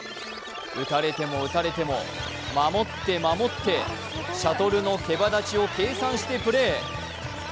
打たれても打たれても守って守ってシャトルのけばだちを計算してプレー。